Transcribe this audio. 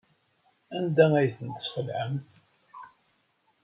Anda ay ten-tesxelɛemt?